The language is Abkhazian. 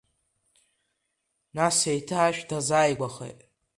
Нас еиҭа ашә дазааигәахеит.